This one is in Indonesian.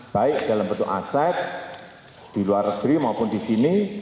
baik dalam bentuk aset di luar negeri maupun di sini